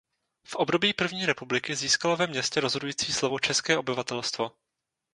V období první republiky získalo ve městě rozhodující slovo české obyvatelstvo.